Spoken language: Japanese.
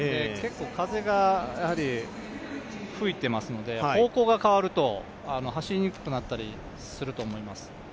風が吹いていますので、方向が変わると走りにくくなったりすると思います。